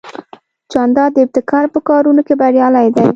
جانداد د ابتکار په کارونو کې بریالی دی.